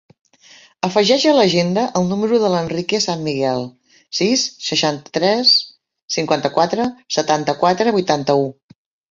Afegeix a l'agenda el número de l'Enrique Sanmiguel: sis, seixanta-tres, cinquanta-quatre, setanta-quatre, vuitanta-u.